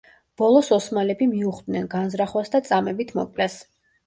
ბოლოს ოსმალები მიუხვდნენ განზრახვას და წამებით მოკლეს.